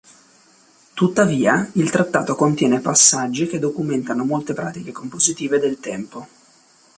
Tuttavia, il trattato contiene passaggi che documentano molte pratiche compositive del tempo.